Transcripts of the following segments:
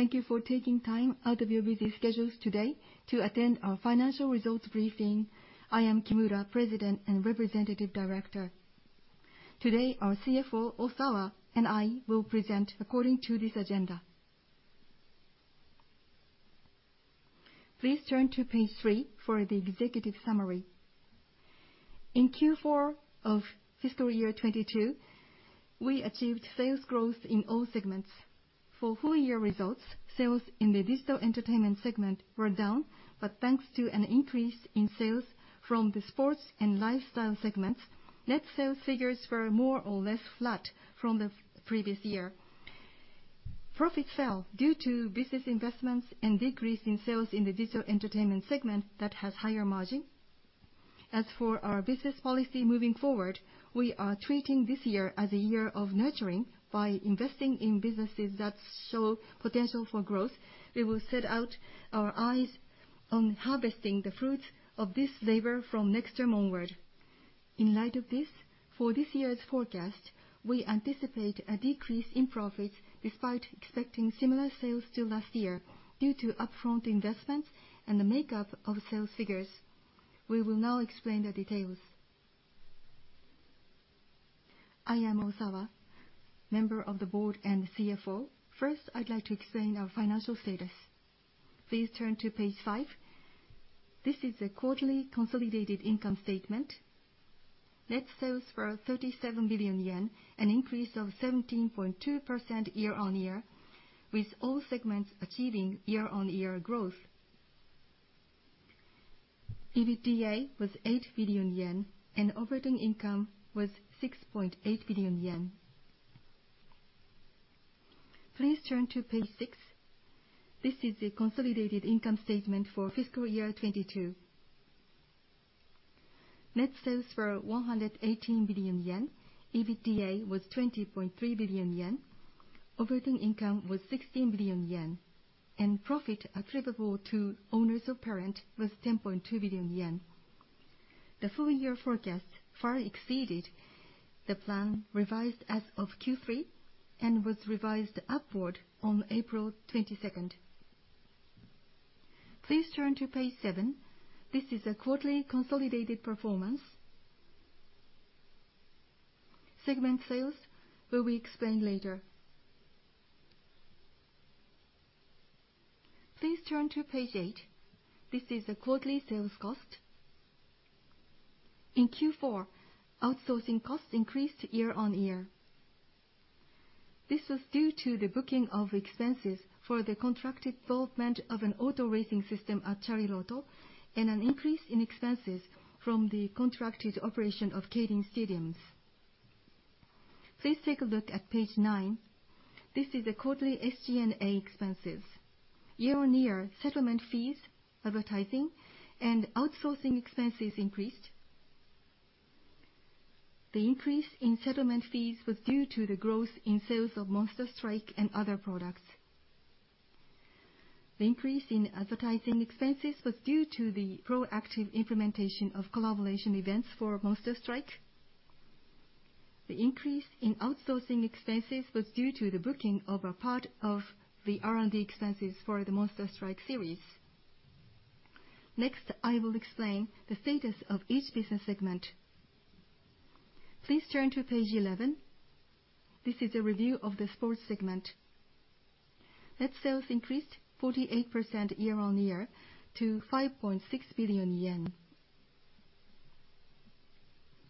Thank you for taking time out of your busy schedules today to attend our financial results briefing. I am Kimura, President and Representative Director. Today, our CFO, Osawa, and I will present according to this agenda. Please turn to page three for the executive summary. In Q4 of fiscal year 2022, we achieved sales growth in all segments. For full year results, sales in the digital entertainment segment were down, but thanks to an increase in sales from the sports and lifestyle segments, net sales figures were more or less flat from the previous year. Profit fell due to business investments and decrease in sales in the digital entertainment segment that has higher margin. As for our business policy moving forward, we are treating this year as a year of nurturing by investing in businesses that show potential for growth. We will set our eyes on harvesting the fruits of this labor from next term onward. In light of this, for this year's forecast, we anticipate a decrease in profits despite expecting similar sales to last year due to upfront investments and the makeup of sales figures. We will now explain the details. I am Osawa, Member of the Board and CFO. First, I'd like to explain our financial status. Please turn to page five. This is a quarterly consolidated income statement. Net sales were 37 billion yen, an increase of 17.2% year-on-year, with all segments achieving year-on-year growth. EBITDA was 8 billion yen, and operating income was 6.8 billion yen. Please turn to page six. This is a consolidated income statement for fiscal year 2022. Net sales were 118 billion yen. EBITDA was 20.3 billion yen. Operating income was 16 billion yen. Profit attributable to owners of parent was 10.2 billion yen. The full year forecast far exceeded the plan revised as of Q3 and was revised upward on April 22. Please turn to page seven. This is a quarterly consolidated performance. Segment sales will be explained later. Please turn to page eight. This is the quarterly sales cost. In Q4, outsourcing costs increased year-on-year. This was due to the booking of expenses for the contracted development of an auto-racing system at Chariloto and an increase in expenses from the contracted operation of Keirin stadiums. Please take a look at page nine. This is a quarterly SG&A expenses. Year-on-year, settlement fees, advertising, and outsourcing expenses increased. The increase in settlement fees was due to the growth in sales of MONSTER STRIKE and other products. The increase in advertising expenses was due to the proactive implementation of collaboration events for MONSTER STRIKE. The increase in outsourcing expenses was due to the booking of a part of the R&D expenses for the MONSTER STRIKE series. Next, I will explain the status of each business segment. Please turn to page 11. This is a review of the sports segment. Net sales increased 48% year-on-year to JPY 5.6 billion.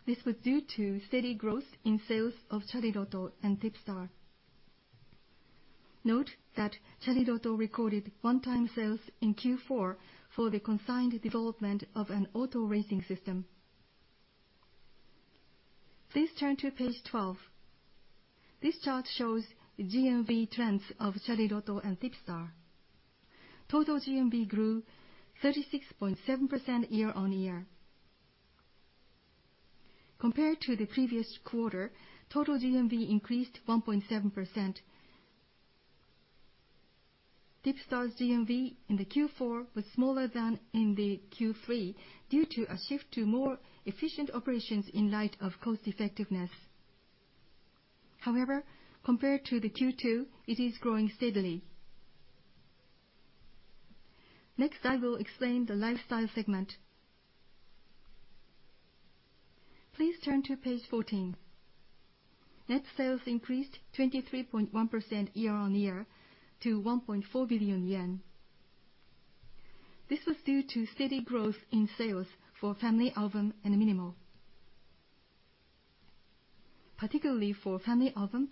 This was due to steady growth in sales of Chariloto and TIPSTAR. Note that Chariloto recorded one-time sales in Q4 for the consigned development of an auto-racing system. Please turn to page 12. This chart shows GMV trends of Chariloto and TIPSTAR. Total GMV grew 36.7% year-on-year. Compared to the previous quarter, total GMV increased 1.7%. TIPSTAR's GMV in the Q4 was smaller than in the Q3 due to a shift to more efficient operations in light of cost effectiveness. However, compared to the Q2, it is growing steadily. Next, I will explain the lifestyle segment. Please turn to page 14. Net sales increased 23.1% year-on-year to 1.4 billion yen. This was due to steady growth in sales for FamilyAlbum and minimo. Particularly for FamilyAlbum,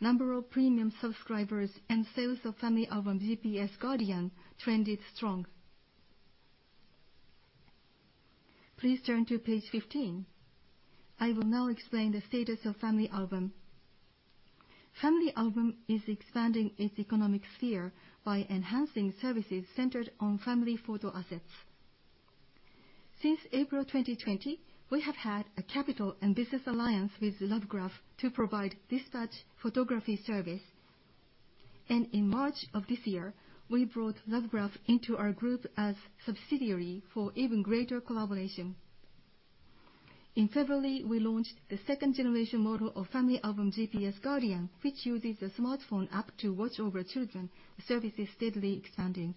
number of premium subscribers and sales of FamilyAlbum GPS Guardian trended strong. Please turn to page 15. I will now explain the status of FamilyAlbum. FamilyAlbum is expanding its economic sphere by enhancing services centered on family photo assets. Since April 2020, we have had a capital and business alliance with Lovegraph to provide dispatch photography service. In March of this year, we brought Lovegraph into our group as subsidiary for even greater collaboration. In February, we launched the second generation model of FamilyAlbum GPS Guardian, which uses a smartphone app to watch over children. The service is steadily expanding.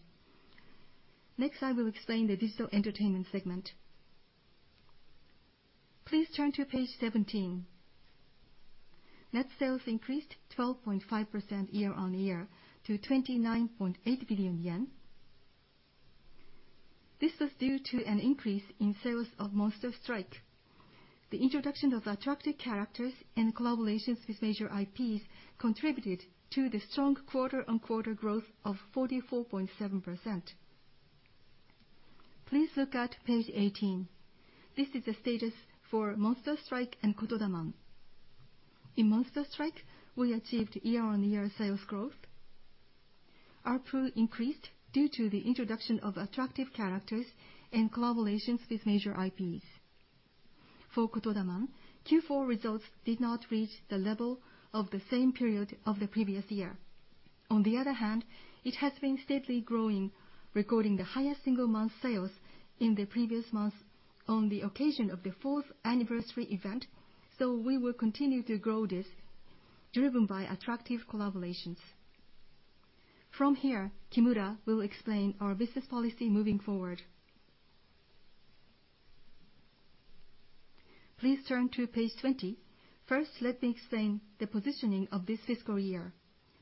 Next, I will explain the digital entertainment segment. Please turn to page 17. Net sales increased 12.5% year-on-year to 29.8 billion yen. This was due to an increase in sales of MONSTER STRIKE. The introduction of attractive characters and collaborations with major IPs contributed to the strong quarter-on-quarter growth of 44.7%. Please look at page 18. This is the status for MONSTER STRIKE and Kotodaman. In MONSTER STRIKE, we achieved year-on-year sales growth. ARPU increased due to the introduction of attractive characters and collaborations with major IPs. For Kotodaman, Q4 results did not reach the level of the same period of the previous year. On the other hand, it has been steadily growing, recording the highest single month sales in the previous month on the occasion of the fourth anniversary event. We will continue to grow this, driven by attractive collaborations. From here, Kimura will explain our business policy moving forward. Please turn to page 20. First, let me explain the positioning of this fiscal year.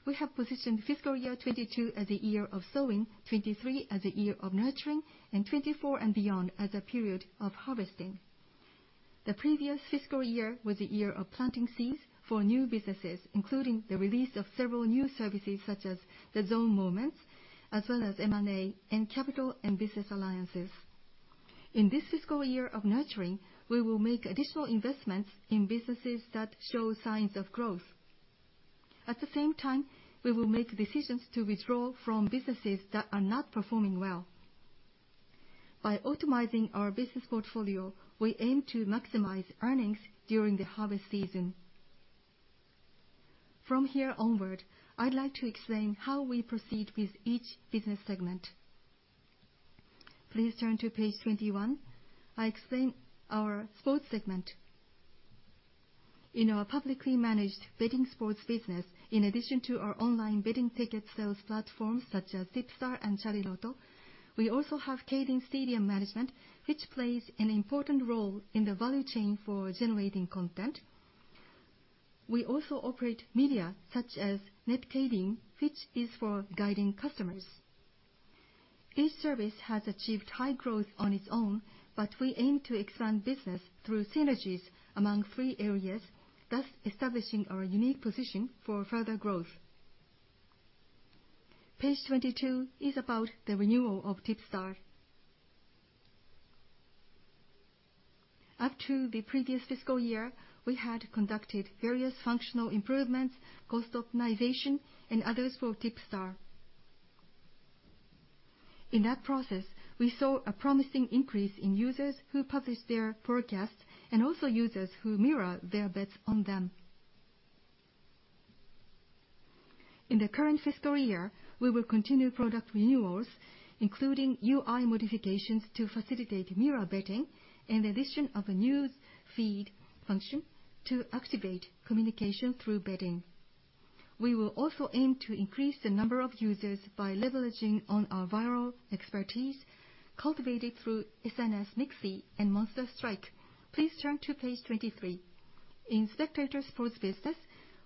We have positioned fiscal year 2022 as a year of sowing, 2023 as a year of nurturing, and 2024 and beyond as a period of harvesting. The previous fiscal year was a year of planting seeds for new businesses, including the release of several new services such as DAZN MOMENTS, as well as M&A, and capital and business alliances. In this fiscal year of nurturing, we will make additional investments in businesses that show signs of growth. At the same time, we will make decisions to withdraw from businesses that are not performing well. By optimizing our business portfolio, we aim to maximize earnings during the harvest season. From here onward, I'd like to explain how we proceed with each business segment. Please turn to page 21. I explain our sports segment. In our publicly managed betting sports business, in addition to our online betting ticket sales platforms such as TIPSTAR and Chariloto, we also have keirin stadium management, which plays an important role in the value chain for generating content. We also operate media such as netkeirin, which is for guiding customers. Each service has achieved high growth on its own, but we aim to expand business through synergies among three areas, thus establishing our unique position for further growth. Page 22 is about the renewal of TIPSTAR. Up to the previous fiscal year, we had conducted various functional improvements, cost optimization, and others for TIPSTAR. In that process, we saw a promising increase in users who publish their forecasts and also users who mirror their bets on them. In the current fiscal year, we will continue product renewals, including UI modifications to facilitate mirror betting and addition of a news feed function to activate communication through betting. We will also aim to increase the number of users by leveraging on our viral expertise cultivated through SNS, MIXI, and MONSTER STRIKE. Please turn to page 23. In spectator sports business,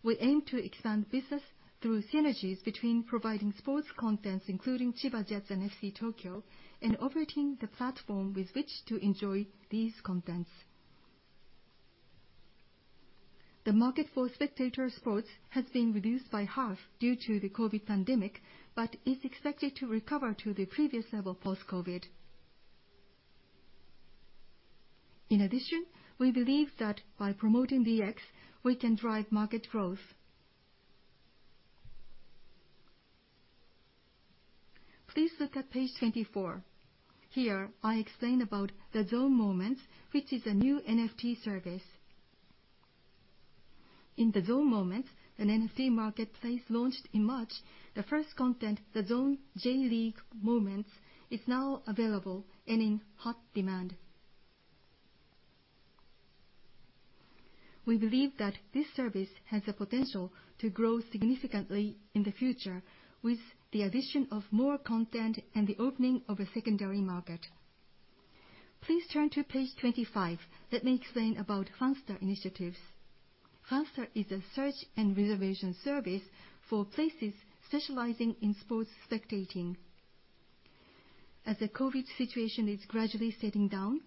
we aim to expand business through synergies between providing sports contents, including Chiba Jets and FC Tokyo, and operating the platform with which to enjoy these contents. The market for spectator sports has been reduced by half due to the COVID pandemic, but is expected to recover to the previous level post-COVID. In addition, we believe that by promoting DX, we can drive market growth. Please look at page 24. Here, I explain about DAZN MOMENTS, which is a new NFT service. In DAZN MOMENTS, an NFT marketplace launched in March, the first content, DAZN J League MOMENTS, is now available and in hot demand. We believe that this service has the potential to grow significantly in the future with the addition of more content and the opening of a secondary market. Please turn to page 25. Let me explain about Fansta initiatives. Fansta is a search and reservation service for places specializing in sports spectating. As the COVID situation is gradually settling down,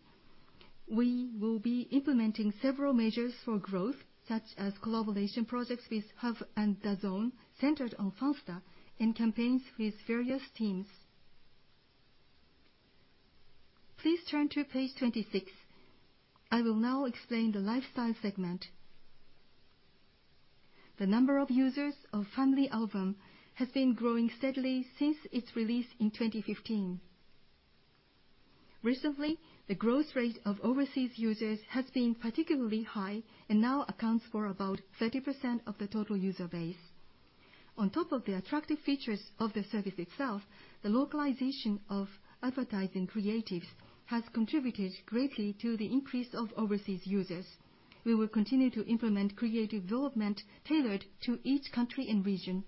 we will be implementing several measures for growth, such as collaboration projects with Hub and DAZN centered on Fansta and campaigns with various teams. Please turn to page 26. I will now explain the lifestyle segment. The number of users of FamilyAlbum has been growing steadily since its release in 2015. Recently, the growth rate of overseas users has been particularly high and now accounts for about 30% of the total user base. On top of the attractive features of the service itself, the localization of advertising creatives has contributed greatly to the increase of overseas users. We will continue to implement creative development tailored to each country and region.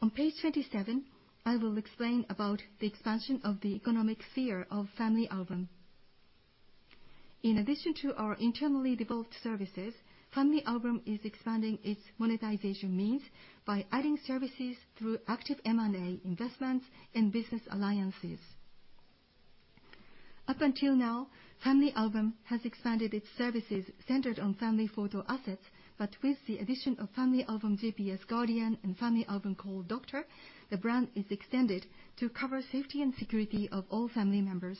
On page 27, I will explain about the expansion of the economic sphere of FamilyAlbum. In addition to our internally developed services, FamilyAlbum is expanding its monetization means by adding services through active M&A investments and business alliances. Up until now, FamilyAlbum has expanded its services centered on family photo assets. With the addition of FamilyAlbum GPS Guardian and FamilyAlbum Call Doctor, the brand is extended to cover safety and security of all family members.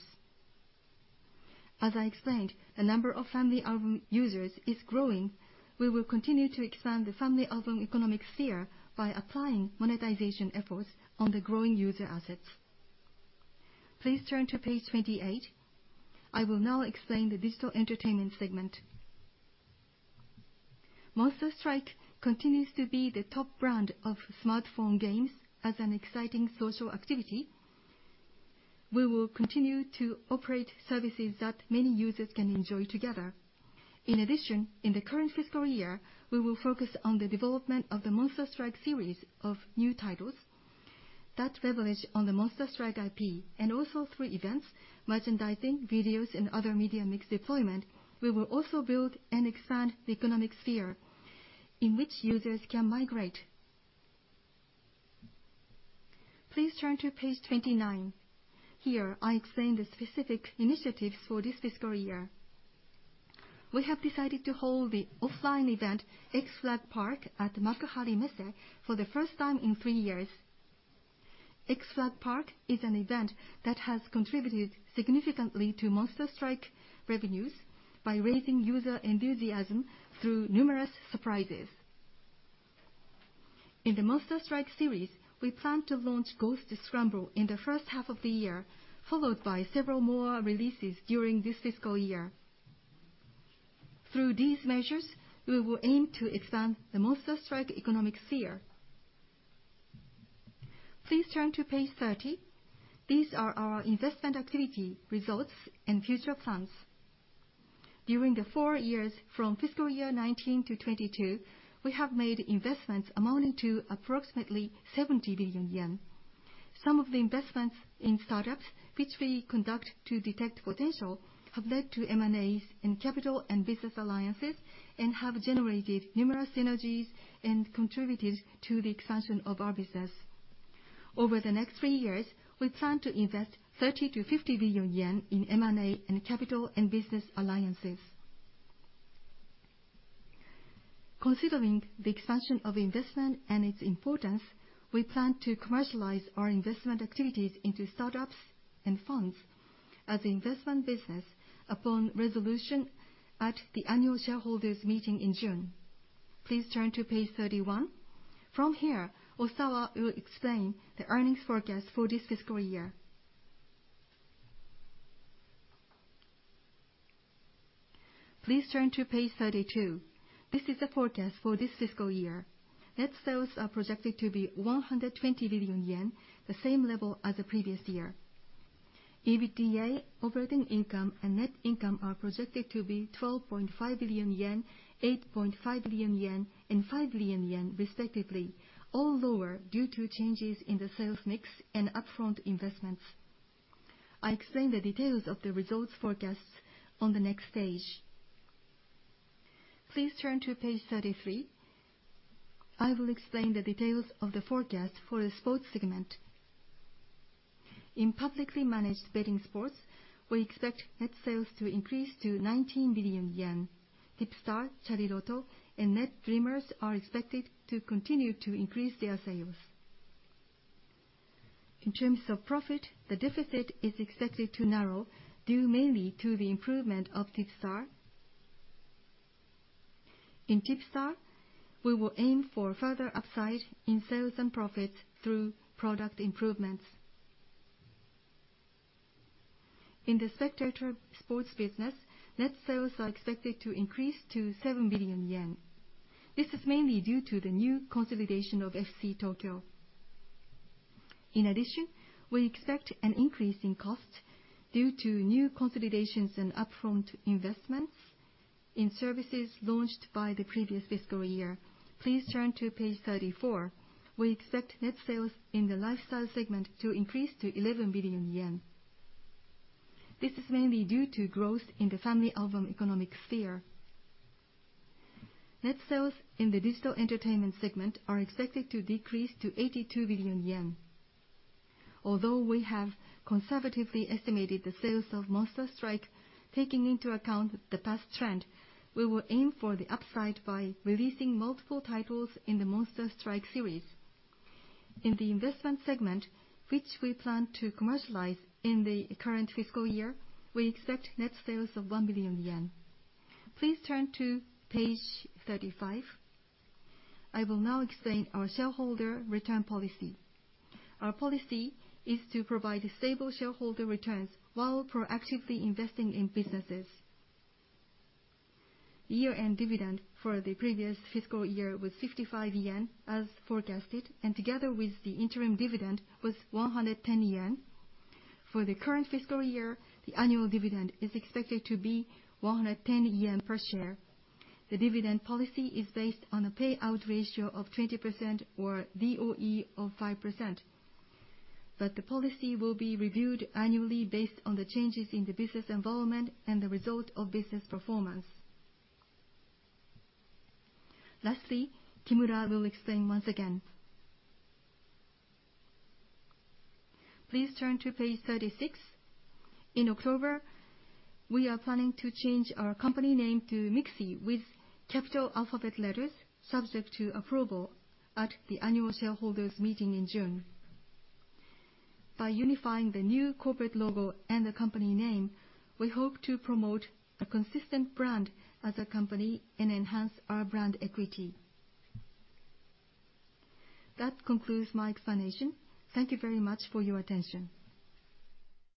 As I explained, the number of FamilyAlbum users is growing. We will continue to expand the FamilyAlbum economic sphere by applying monetization efforts on the growing user assets. Please turn to page 28. I will now explain the digital entertainment segment. MONSTER STRIKE continues to be the top brand of smartphone games as an exciting social activity. We will continue to operate services that many users can enjoy together. In addition, in the current fiscal year, we will focus on the development of the MONSTER STRIKE series of new titles that leverage on the MONSTER STRIKE IP and also through events, merchandising, videos, and other media mix deployment. We will also build and expand the economic sphere in which users can migrate. Please turn to page 29. Here, I explain the specific initiatives for this fiscal year. We have decided to hold the offline event, XFLAG PARK, at Makuhari Messe for the first time in three years. XFLAG PARK is an event that has contributed significantly to MONSTER STRIKE revenues by raising user enthusiasm through numerous surprises. In the MONSTER STRIKE series, we plan to launch Ghost Scramble in the first half of the year, followed by several more releases during this fiscal year. Through these measures, we will aim to expand the MONSTER STRIKE economic sphere. Please turn to page 30. These are our investment activity results and future plans. During the four years from fiscal year 2019 to 2022, we have made investments amounting to approximately 70 billion yen. Some of the investments in startups, which we conduct to detect potential, have led to M&As in capital and business alliances and have generated numerous synergies and contributed to the expansion of our business. Over the next three years, we plan to invest 30 billion-50 billion yen in M&A and capital and business alliances. Considering the expansion of investment and its importance, we plan to commercialize our investment activities into startups and funds as investment business upon resolution at the annual shareholders meeting in June. Please turn to page 31. From here, Osawa will explain the earnings forecast for this fiscal year. Please turn to page 32. This is the forecast for this fiscal year. Net sales are projected to be 120 billion yen, the same level as the previous year. EBITDA, operating income, and net income are projected to be 12.5 billion yen, 8.5 billion yen, and 5 billion yen respectively, all lower due to changes in the sales mix and upfront investments. I explain the details of the results forecasts on the next page. Please turn to page 33. I will explain the details of the forecast for the sports segment. In publicly managed betting sports, we expect net sales to increase to 19 billion yen. TIPSTAR, Chariloto, and NET DREAMERS are expected to continue to increase their sales. In terms of profit, the deficit is expected to narrow, due mainly to the improvement of TIPSTAR. In TIPSTAR, we will aim for further upside in sales and profit through product improvements. In the spectator sports business, net sales are expected to increase to 7 billion yen. This is mainly due to the new consolidation of FC Tokyo. In addition, we expect an increase in cost due to new consolidations and upfront investments in services launched by the previous fiscal year. Please turn to page 34. We expect net sales in the lifestyle segment to increase to 11 billion yen. This is mainly due to growth in the FamilyAlbum economic sphere. Net sales in the digital entertainment segment are expected to decrease to 82 billion yen. Although we have conservatively estimated the sales of MONSTER STRIKE, taking into account the past trend, we will aim for the upside by releasing multiple titles in the MONSTER STRIKE series. In the investment segment, which we plan to commercialize in the current fiscal year, we expect net sales of 1 billion yen. Please turn to page 35. I will now explain our shareholder return policy. Our policy is to provide stable shareholder returns while proactively investing in businesses. Year-end dividend for the previous fiscal year was 55 yen, as forecasted, and together with the interim dividend, was 110 yen. For the current fiscal year, the annual dividend is expected to be 110 yen per share. The dividend policy is based on a payout ratio of 20% or ROE of 5%. The policy will be reviewed annually based on the changes in the business environment and the result of business performance. Lastly, Kimura will explain once again. Please turn to page 36. In October, we are planning to change our company name to MIXI with capital alphabet letters, subject to approval at the annual shareholders meeting in June. By unifying the new corporate logo and the company name, we hope to promote a consistent brand as a company and enhance our brand equity. That concludes my explanation. Thank you very much for your attention.